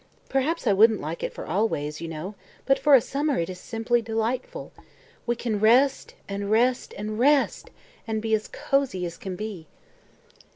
Perhaps I wouldn't like it for always, you know, but for a summer it is simply delightful. We can rest and rest and rest! and be as cozy as can be."